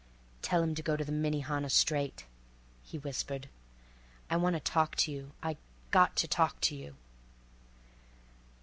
"Tell him to go to the Minnehaha straight," he whispered. "I wanta talk to you—I got to talk to you."